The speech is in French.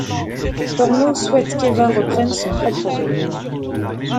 Tornau souhaite qu'Eva reprenne son propre rôle.